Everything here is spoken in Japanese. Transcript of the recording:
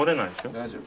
大丈夫。